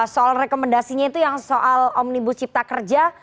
soal rekomendasinya itu yang soal omnibus cipta kerja